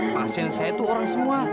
pasien saya itu orang semua